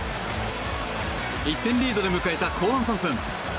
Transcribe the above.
１点リードで迎えた後半３分。